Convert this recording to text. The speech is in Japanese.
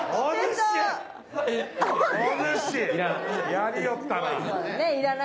やりよったな。